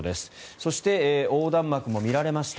そして、横断幕も見られました。